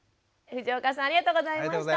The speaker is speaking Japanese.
藤岡さんありがとうございました。